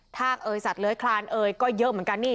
กเอยสัตว์เลื้อยคลานเอยก็เยอะเหมือนกันนี่